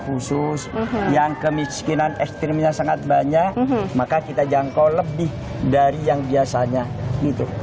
khusus yang kemiskinan ekstrimnya sangat banyak maka kita jangkau lebih dari yang biasanya gitu